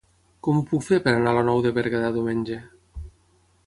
Com ho puc fer per anar a la Nou de Berguedà diumenge?